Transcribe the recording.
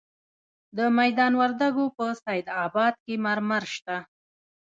د میدان وردګو په سید اباد کې مرمر شته.